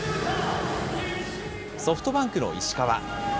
ソフトバンクの石川。